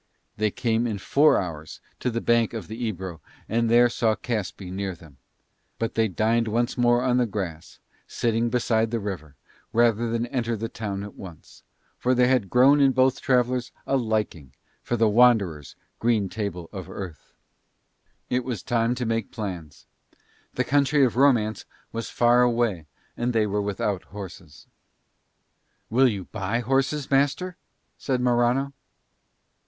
They came in four hours to the bank of the Ebro and there saw Caspe near them; but they dined once more on the grass, sitting beside the river, rather than enter the town at once, for there had grown in both travellers a liking for the wanderers' green table of earth. It was a time to make plans. The country of romance was far away and they were without horses. "Will you buy horses, master?" said Morano.